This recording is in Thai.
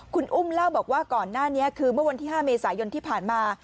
คุณอุ้มเล่าบอกว่าก่อนหน้านี้คือเมื่อวันที่๕เมษายนที่ผ่านมา